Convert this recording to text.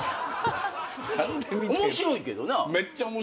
面白いけどな。